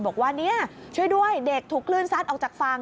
บอกว่าเนี่ยช่วยด้วยเด็กถูกคลื่นซัดออกจากฝั่ง